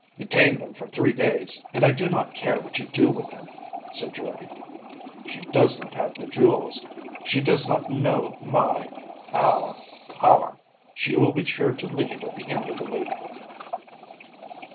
"Detain them for three days, and I do not care what you do with them," said Jordde. "She does not have the jewels, she does not know my our power; she will be sure to leave at the end of the week."